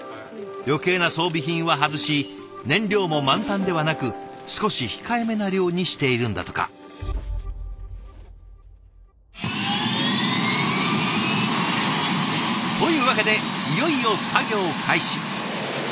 余計な装備品は外し燃料も満タンではなく少し控えめな量にしているんだとか。というわけでいよいよ作業開始。